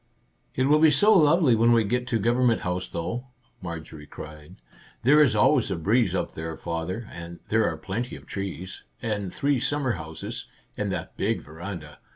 "It will be so lovely when we get to Gov ernment House, though," Marjorie cried. " There is always a breeze up there, father, and there are plenty of trees, and three summer houses, and that big veranda.